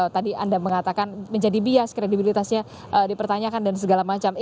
tadi anda mengatakan menjadi bias kredibilitasnya dipertanyakan dan segala macam